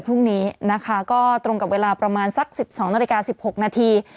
พรุ่งนี้นะคะก็ตรงกับเวลาประมาณสัก๑๒นาฬิกา๑๖นาที